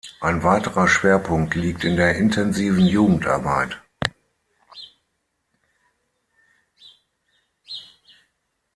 Ein weiterer Schwerpunkt liegt in der intensiven Jugendarbeit.